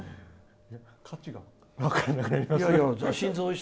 価値が分からなくなりますね。